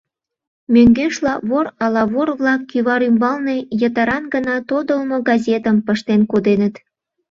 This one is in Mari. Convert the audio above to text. Мӧҥгешла, вор ала вор-влак кӱвар ӱмбалне йытыран гына тодылмо газетым пыштен коденыт.